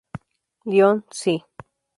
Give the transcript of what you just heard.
Lyon, Cl.